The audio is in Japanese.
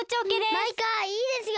マイカいいですよ。